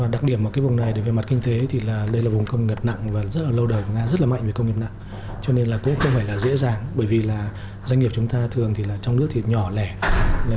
đặc điểm ở vùng này về mặt kinh tế thì đây là vùng công nghiệp nặng và rất là lâu đời của nga rất là mạnh về công nghiệp nặng cho nên cũng không phải là dễ dàng bởi vì là doanh nghiệp chúng ta thường trong nước thì nhỏ lẻ